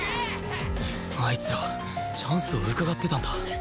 あいつらチャンスをうかがってたんだ